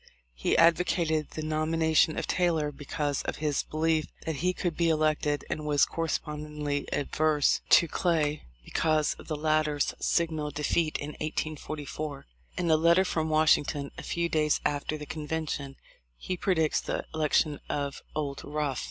He advocated the nomination of Taylor because of his belief that he could be elected, and was correspondingly averse to Clay because of the latter's signal defeat in 1844. In a letter from Washington a few days after the convention he predicts the election of "Old Rough."